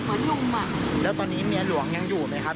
อ๋อแบบเหมือนลุงอ่ะแล้วตอนนี้เมียหลวงยังอยู่ไหมครับ